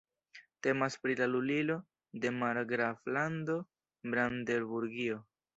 Temas pri la lulilo de Margraflando Brandenburgio.